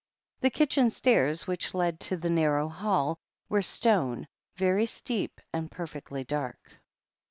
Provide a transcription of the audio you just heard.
The kitchen stairs, which led to the narrow hall, were stone, very steep, and perfectly dark.